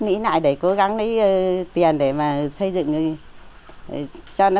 ngành nghề nông thôn